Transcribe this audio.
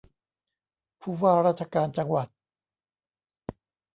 ผู้ว่าราชการจังหวัด